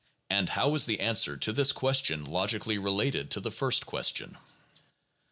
and how is the answer to this question logically related to the first ques tion?